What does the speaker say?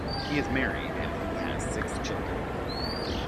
He is married and he has six children.